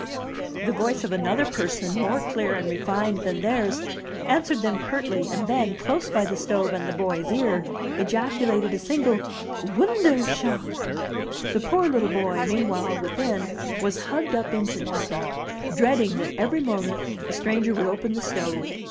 The voice of another person, more clear and refined than theirs, answered them curtly, and then, close by the stove and the boy's ear, ejaculated a single ''Wunderschonr The poor little boy, meanwhile, within, was hugged up into nothing, dreading that every moment the stranger would open the stove.